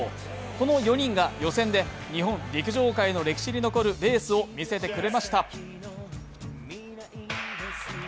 この４人が予選で日本陸上界の歴史に残るレースを見せてくれました。